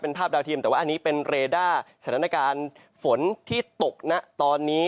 เป็นภาพดาวเทียมแต่ว่าอันนี้เป็นเรด้าสถานการณ์ฝนที่ตกนะตอนนี้